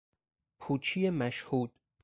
پوچی مشهود